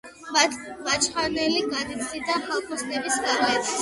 მაჩხანელი განიცდიდა ხალხოსნების გავლენას.